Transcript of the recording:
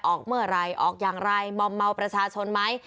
ออกเมื่อไหร่ออกอย่างไรมอมเมาประชาชนไหม